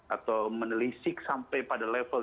atau menelisik sampai pada level